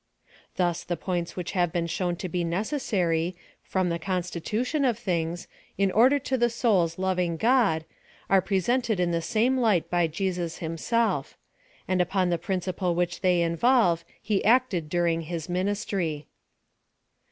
Thus tiie points which have been shown to be necessary, from the constitution of things, hi order to the soul's loving God, are presented in the same light by Jesus himself; and upon the principle which they involve, he acted during his ministry.